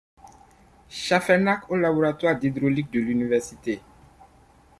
Schaffernak au laboratoire d’hydraulique de l'université.